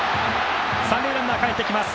三塁ランナー、かえってきます。